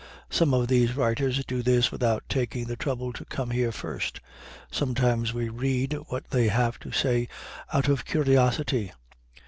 Some of these writers do this without taking the trouble to come here first. Sometimes we read what they have to say out of curiosity.